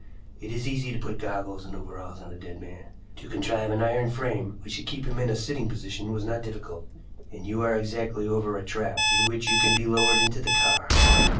It is easy to put goggles and overalls on a dead man. To contrive an iron frame which should keep him in a sitting position was not difficult, and you are exactly over a trap through which you can be lowered into the car.